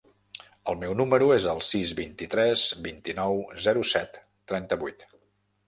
El meu número es el sis, vint-i-tres, vint-i-nou, zero, set, trenta-vuit.